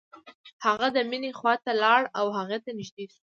هغه د مينې خواته لاړ او هغې ته نږدې شو.